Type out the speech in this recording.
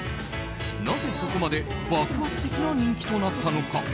なぜそこまで爆発的な人気となったのか。